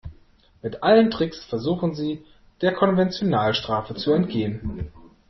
Mit allen Tricks versuchen sie, der Konventionalstrafe zu entgehen.